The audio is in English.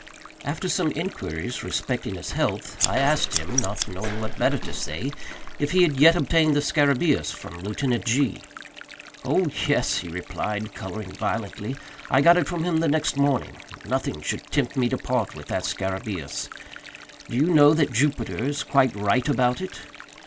After some inquiries respecting his health, I asked him, not knowing what better to say, if he had yet obtained the scarabæus from Lieutenant G——. "Oh, yes," he replied, coloring violently, "I got it from him the next morning. Nothing should tempt me to part with that scarabæus. Do you know that Jupiter is quite right about it?"